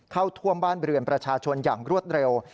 เข้าท่วมบ้านเรือนประชาชนอย่างรวดเร็ว